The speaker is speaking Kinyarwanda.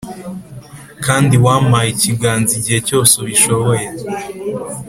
kandi wampaye ikiganza igihe cyose ubishoboye.